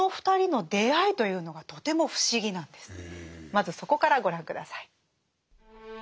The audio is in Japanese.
まずそこからご覧下さい。